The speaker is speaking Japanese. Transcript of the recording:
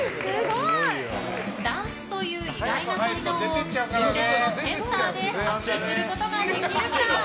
ダンスという意外な才能を純烈のセンターで発揮することができるか。